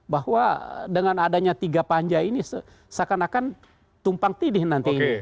bahwa dengan adanya tiga panja ini seakan akan tumpang tidih nanti ini